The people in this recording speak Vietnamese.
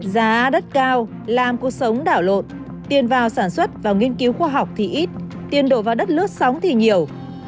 giá đất cao làm cuộc sống đảo lộn tiền vào sản xuất và nghiên cứu khoa học thì ít tiền đổ vào đất lướt sóng thì nhiều